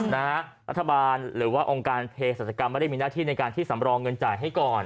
รัฐบาลโรงการเพศัตริย์กรรมรับได้มีหน้าที่ในการที่สำรองเงินจ่ายให้ก่อน